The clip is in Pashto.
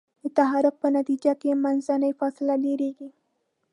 د تحرک په نتیجه کې منځنۍ فاصله ډیریږي.